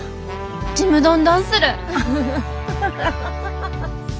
ちむどんどんする。